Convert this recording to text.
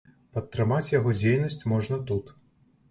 Падтрымаць яго дзейнасць можна тут.